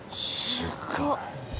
すごい。